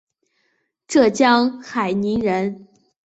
浙江海宁人。